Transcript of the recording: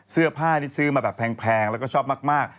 เสื้อผ้านี่ซื้อมาแบบแพงแล้วก็ชอบมาก